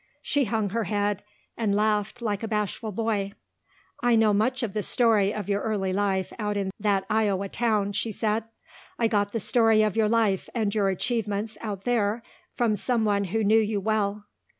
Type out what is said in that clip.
She hung her head and laughed like a bashful boy. "I know much of the story of your early life out in that Iowa town," she said. "I got the story of your life and your achievements out there from some one who knew you well."